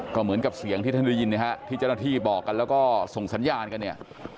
ก็เหมือนกับเสียงที่ท่านได้ยินนะฮะที่เจ้าหน้าที่บอกกันแล้วก็ส่งสัญญาณกันเนี่ย